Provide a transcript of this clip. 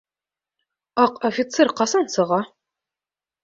Аҡ офицер ҡасан сыға?